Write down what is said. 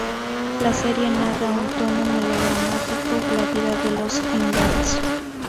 La serie narra en un tono melodramático la vida de los Ingalls.